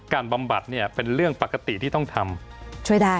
การบำบัดเนี่ยเป็นเรื่องปกติที่ต้องทำ